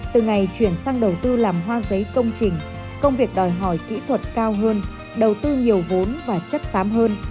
từ ngày chuyển sang đầu tư làm hoa giấy công trình công việc đòi hỏi kỹ thuật cao hơn đầu tư nhiều vốn và chất xám hơn